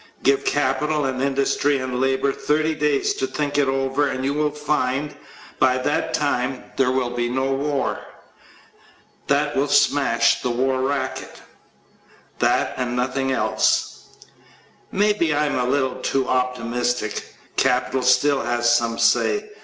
Give capital and industry and labor thirty days to think it over and you will find, by that time, there will be no war. That will smash the war racket that and nothing else. Maybe I am a little too optimistic. Capital still has some say.